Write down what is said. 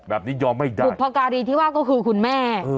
ยอมไม่ได้บุพการีที่ว่าก็คือคุณแม่